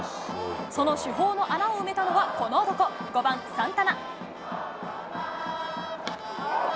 その主砲の穴を埋めたのはこの男、５番サンタナ。